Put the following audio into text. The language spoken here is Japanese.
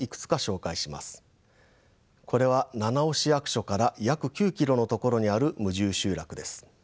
これは七尾市役所から約９キロの所にある無住集落です。